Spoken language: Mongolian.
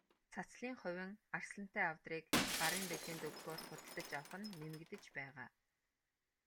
Цацлын хувин, арслантай авдрыг гарын бэлгэнд өгөхөөр худалдаж авах нь нэмэгдэж байгаа.